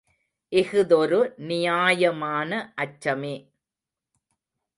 இஃதொரு நியாயமான அச்சமே.